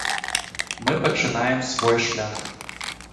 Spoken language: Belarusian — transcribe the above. Мы пачынаем свой шлях.